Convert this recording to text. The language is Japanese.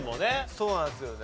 そうなんですよね。